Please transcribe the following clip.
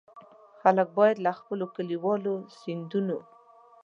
خلک باید له خپلو کلیوالو سیندونو.